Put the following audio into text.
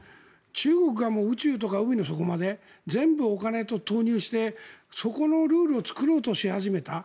中国がもう宇宙とか海の底まで全部お金を投入してそこのルールを作ろうとし始めた。